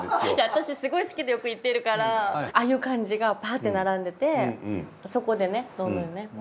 私すごい好きでよく行ってるからああいう感じがパッて並んでてそこでね飲むね。